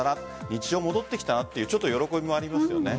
日常、戻ってきたなという喜びもありますよね。